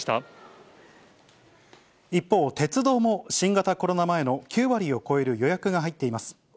一方、鉄道も新型コロナ前の９割を超える予約が入っています。